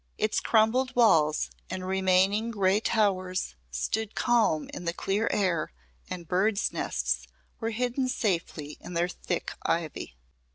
Its crumbled walls and remaining grey towers stood calm in the clear air and birds' nests were hidden safely in their thick ivy.